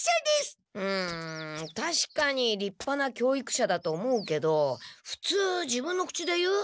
うんたしかにりっぱな教育者だと思うけど普通自分の口で言う？